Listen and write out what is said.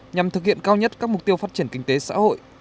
nhằm thực hiện cao nhất các mục tiêu phát triển kinh tế xã hội